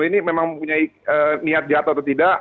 apakah dia memang punya niat jahat atau tidak